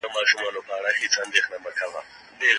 چاغ کسان ځینې وخت ښه کلسترول زیاتوي.